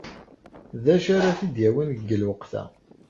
D acu ara t-id-yawin deg lweqt-a?